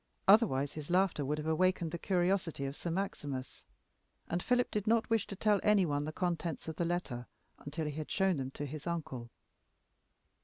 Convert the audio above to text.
Otherwise his laughter would have awakened the curiosity of Sir Maximus, and Philip did not wish to tell any one the contents of the letter until he had shown them to his uncle.